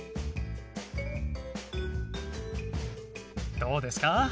どうですか？